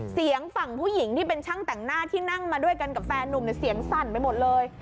เสียงฝั่งผู้หญิงที่เป็นช่างแต่งหน้าที่นั่งมาด้วยกันกับแฟนนุ่มเสียงสั่นไปหมดเลย